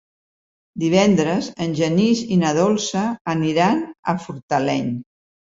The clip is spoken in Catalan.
Divendres en Genís i na Dolça aniran a Fortaleny.